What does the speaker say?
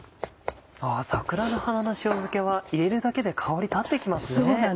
桜の花の塩漬けは入れるだけで香り立ってきますね。